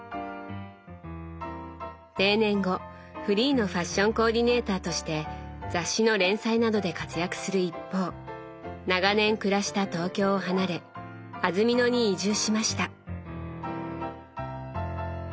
定年後フリーのファッションコーディネーターとして雑誌の連載などで活躍する一方長年暮らした東京を離れ安曇野に移住しました。